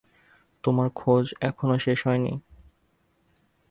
তোমার খোঁজ এখনো শেষ হয়নি।